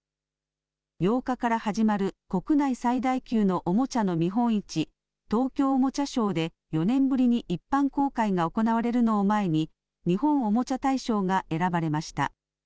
８日から始まる国内最大級のおもちゃの見本市、東京おもちゃショーで、４年ぶりに一般公開が行われるのを前に、日本おもちゃ大賞が選ばれました。